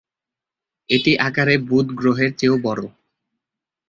এটি আকারে বুধ গ্রহের চেয়েও বড়ো।